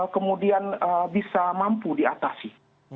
kemudian bisa mampu diatasi